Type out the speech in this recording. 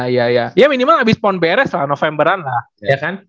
iya iya iya ya minimal abis pon beres lah novemberan lah iya kan